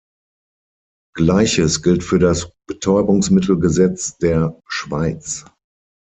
Gleiches gilt für das Betäubungsmittelgesetz der Schweiz.